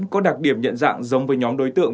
có đặc điểm nhận dạng giống với nhóm đối tượng